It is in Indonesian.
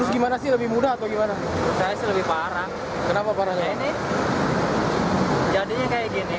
kenapa sih bisa macet bang